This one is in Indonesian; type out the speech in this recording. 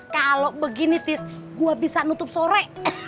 kalau begini tis gue bisa nutup sore